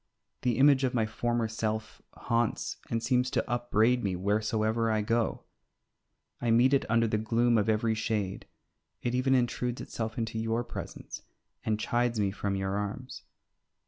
The image of my former self haunts and seems to upbraid me wheresoever I go. I meet it under the gloom of every shade; it even intrudes itself into your presence and chides me from your arms.